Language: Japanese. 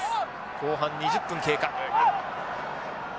後半２０分経過。